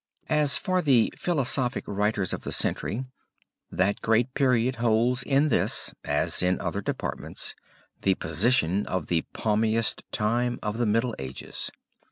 As for the philosophic writers of the century that great period holds in this, as in other departments, the position of the palmiest time of the Middle Ages.